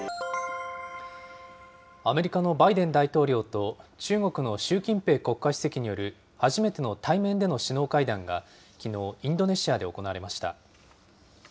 アメリカのバイデン大統領と中国の習近平国家主席による初めての対面での首脳会談がきのう、インドネシアで行われました。